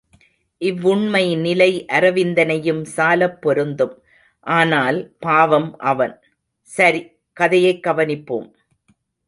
இவ்வுண்மை நிலை அரவிந்தனையும் சாலப் பொருத்தும், ஆனால்... பாவம், அவன்!... சரி, கதையைக் கவனிப்போம்!